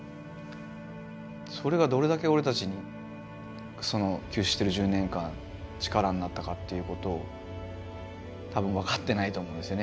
それがどれだけ俺たちにその休止してる１０年間力になったかっていうことを多分分かってないと思うんですよね